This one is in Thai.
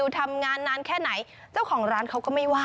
ธรรมชาติแบบเต็มอิ่ม